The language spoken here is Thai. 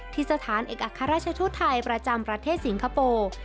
สถานเอกอัครราชทูตไทยประจำประเทศสิงคโปร์